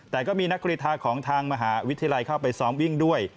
แต่ก็มีนักกรีธาของทางมหาวิทยาลัยเข้าไปซ้อมวิ่งด้วย